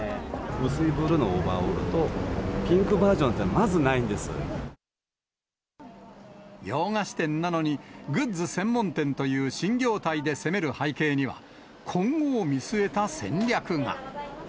薄いブルーのオーバーオールと、ピンクバージョンって、まずない洋菓子店なのに、グッズ専門店という新業態で攻める背景には、今後を見据えた戦略が。